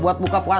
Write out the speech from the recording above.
buat buka padang